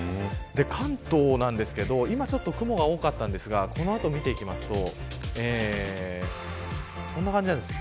関東ですが、今ちょっと雲が多かったんですがこの後を見ていきますとこんな感じです。